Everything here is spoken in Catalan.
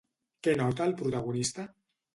Què nota el protagonista?